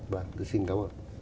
vâng tôi xin cảm ơn